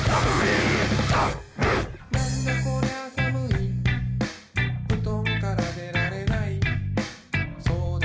なんだこりゃ寒い布団から出られないそうだ